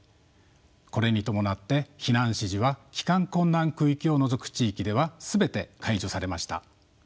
これに伴って避難指示は帰還困難区域を除く地域では全て解除されました。